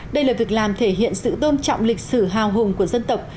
đây là việc làm thể hiện sự tôn trọng lịch sử hào hùng của dân tộc